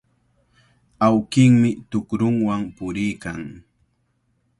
Awkinmi tukrunwan puriykan.